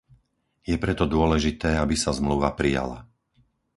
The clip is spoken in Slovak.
Je preto dôležité, aby sa zmluva prijala.